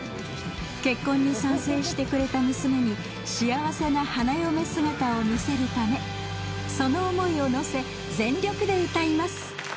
結婚に賛成してくれた娘に幸せな花嫁姿を見せるためその思いを乗せ全力で歌います。